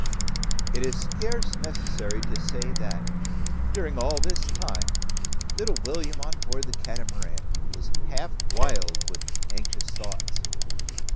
It is scarce necessary to say that, during all this time. Little William, on board the Catamaran, was half wild with anxious thoughts.